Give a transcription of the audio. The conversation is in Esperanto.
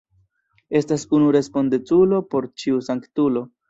Estas unu respondeculo por ĉiu sanktulo.